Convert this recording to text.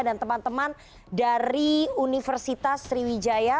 dan teman teman dari universitas sriwijaya